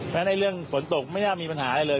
แม้ว่าไอ้เรื่องฝนตกไม่ได้ออกเป็นปัญหาอะไรเลย